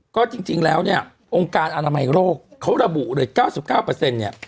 ก็จริงแล้วเนี่ยองค์การอนามัยโรคเขาระบุเลย๙๙เนี่ย